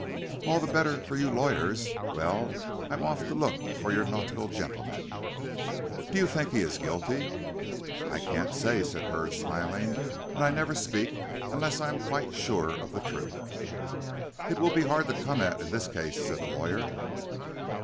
"All the better for you lawyers. Well, I'm off to look for your nautical gentleman." "Do you think he is guilty?" "I can't say," said Hurd, smiling, "and I never speak unless I am quite sure of the truth." "It will be hard to come at, in this case," said the lawyer.